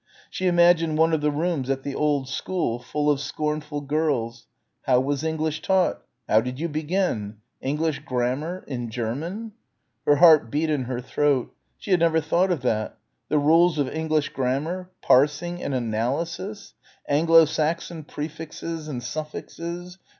She imagined one of the rooms at the old school, full of scornful girls.... How was English taught? How did you begin? English grammar ... in German? Her heart beat in her throat. She had never thought of that ... the rules of English grammar? Parsing and analysis.... Anglo Saxon prefixes and suffixes